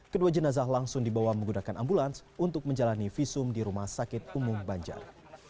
kedua jenazah langsung dibawa menggunakan ambulans untuk menjalani visum di rumah sakit umum banjar